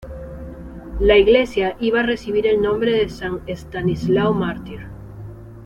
La iglesia iba a recibir el nombre de San Estanislao mártir.